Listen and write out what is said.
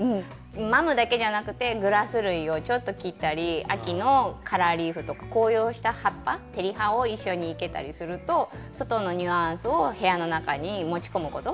マムだけじゃなくてグラス類をちょっと切ったり秋のカラーリーフとか紅葉した葉っぱ照葉を一緒に生けたりすると外のニュアンスを部屋の中に持ち込むことができますよね。